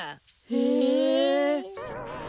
へえ。